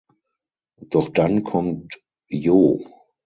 Doch dann kommt Jo.